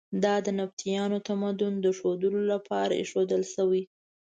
دا د نبطیانو تمدن د ښودلو لپاره ایښودل شوي.